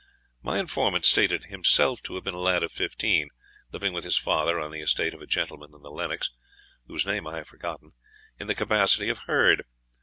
My informant stated himself to have been a lad of fifteen, living with his father on the estate of a gentleman in the Lennox, whose name I have forgotten, in the capacity of herd.